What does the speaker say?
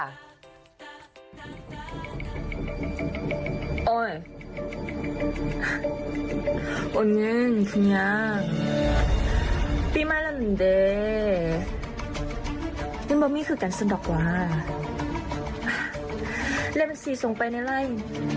อ้อยวนเงินขึ้นอย่างปิม่าลำนึงด้วยที่มันไม่คือการสนดอกว่าแล้วมันสี่ส่งไปในไลน์